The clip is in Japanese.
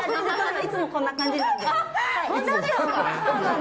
いつもこんな感じなんです。